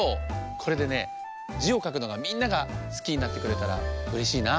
これでね「じ」をかくのがみんながすきになってくれたらうれしいな。